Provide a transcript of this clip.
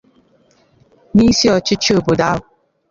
na isi ọchịchị obodo ahụ